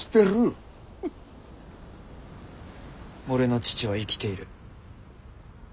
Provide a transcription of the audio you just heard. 俺の父は生きている。